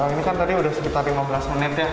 ini kan tadi sudah sekitar lima belas menit ya